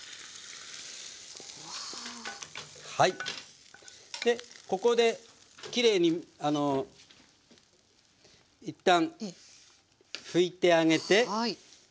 はいでここできれいに一旦拭いてあげて。